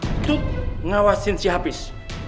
jangan untuk ngawasin si hafiz